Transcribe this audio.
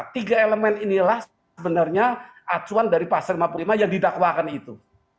tiga elemen inilah sebenarnya acuan dari pasal lima puluh lima yang didakwakan itu